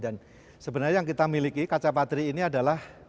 dan sebenarnya yang kita miliki kaca patri ini adalah